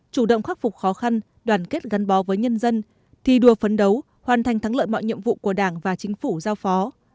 chủ động khắc phục khó khăn đoàn kết gắn bó với nhân dân thi đua phấn đấu hoàn thành thắng lợi mọi nhiệm vụ của đảng và chính phủ giao phó